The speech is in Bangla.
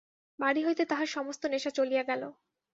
বাড়ি হইতে তাহার সমস্ত নেশা চলিয়া গেল।